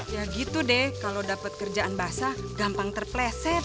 ya gitu deh kalau dapat kerjaan basah gampang terpleset